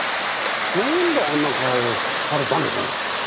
何であんな顔をされたのかも。